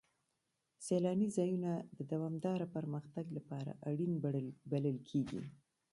سیلاني ځایونه د دوامداره پرمختګ لپاره اړین بلل کېږي.